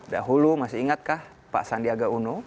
dahulu masih ingatkah pak sandiaga uno